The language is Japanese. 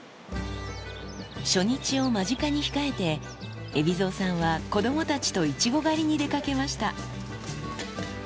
初日を間近に控えて、海老蔵さんは子どもたちといちご狩りに出かけました。